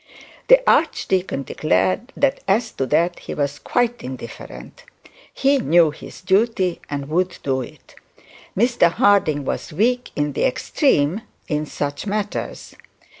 The archdeacon declared that as to that he was quite indifferent. He knew his duty and he would do it. Mr Harding was weak in the extreme in such matters.